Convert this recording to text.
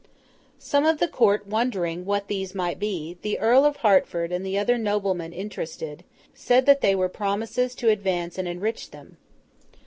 Some of the court wondering what these might be, the Earl of Hertford and the other noblemen interested, said that they were promises to advance and enrich them.